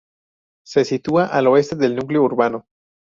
Se sitúa al oeste del núcleo urbano.